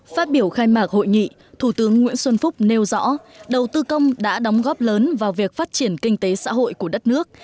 phát biểu khai mạc hội nghị thủ tướng nguyễn xuân phúc nêu rõ đầu tư công đã đóng góp lớn vào việc phát triển kinh tế xã hội của đất nước